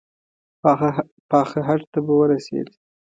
پاخه هډ ته به ورسېد.